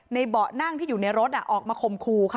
ในเบาะนั่งที่อยู่ในรถอ่ะออกมาคมครูค่ะ